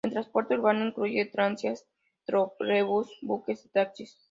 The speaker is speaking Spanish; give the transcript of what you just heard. El transporte urbano incluye tranvías, trolebús, buses y taxis.